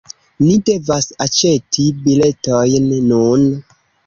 Ni devas aĉeti biletojn nun